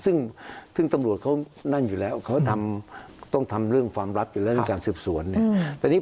ซึ่งซึ่งตำรวจเขานั่นอยู่แล้วเขาต้องทำเรื่องความลับอยู่แล้วในการสืบสวนเนี่ย